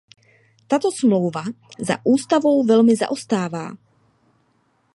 Tato smlouva za ústavou velmi zaostává.